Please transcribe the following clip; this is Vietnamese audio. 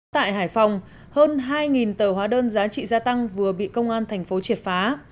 tại hải phòng hơn hai tờ hóa đơn giá trị gia tăng vừa bị công an thành phố triệt phá